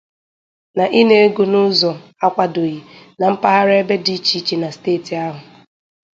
na ịna ego n'ụzọ iwu akwadòghị na mpaghara ebe dị icheiche na steeti ahụ.